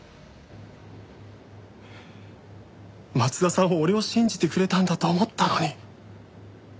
松田さんは俺を信じてくれたんだと思ったのに。